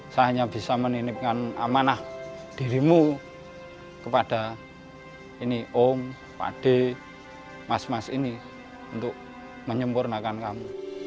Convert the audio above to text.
saya hanya bisa menitipkan amanah dirimu kepada ini om pak d mas mas ini untuk menyempurnakan kamu